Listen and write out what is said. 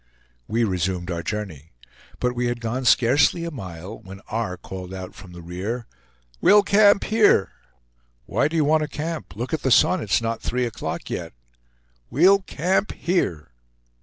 We resumed our journey; but we had gone scarcely a mile, when R. called out from the rear: "We'll camp here." "Why do you want to camp? Look at the sun. It is not three o'clock yet." "We'll camp here!"